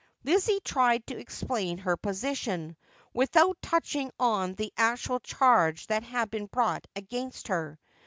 Lizzie tried to explain her position, without touching on the actual charge that had been brought against her.